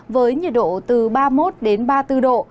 với nhiệt độ từ ba mươi một ba mươi bốn độ